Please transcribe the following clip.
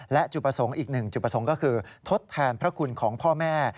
และจุดประสงค์อีกหนึ่งจุดประสงค์ก็คือทดแทนพระคุณของพ่อแม่